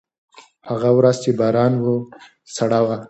هغه ورځ چې باران و، سړه وه.